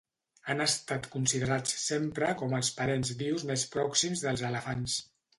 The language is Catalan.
Han estat considerats sempre com els parents vius més pròxims dels elefants.